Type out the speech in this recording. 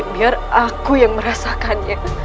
biar aku yang merasakannya